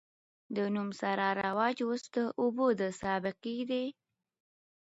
د نوم سره رواج اوس د ابو د سابقې دے